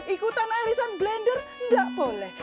ikutan irisan blender enggak boleh